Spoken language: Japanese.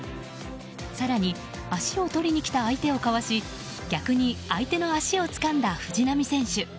更に、足を取りに来た相手をかわし逆に相手の足をつかんだ藤波選手。